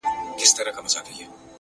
• ستا د ګرېوان ستا د پېزوان لپاره ,